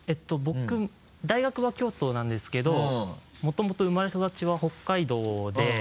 僕大学は京都なんですけどもともと生まれ育ちは北海道で。